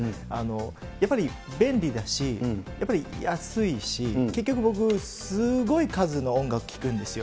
やっぱり便利だし、やっぱり安いし、結局僕、すごい数の音楽聴くんですよ。